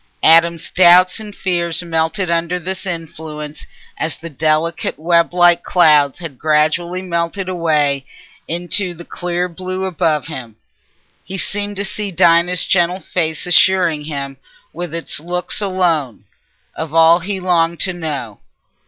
Adam's doubts and fears melted under this influence as the delicate weblike clouds had gradually melted away into the clear blue above him. He seemed to see Dinah's gentle face assuring him, with its looks alone, of all he longed to know.